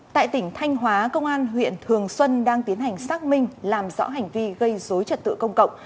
tại tỉnh thanh hóa công an huyện thường xuân đang tiến hành xác minh làm rõ hành vi gây dối trật tự công cộng